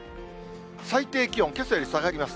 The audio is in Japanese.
最低気温、けさより下がります。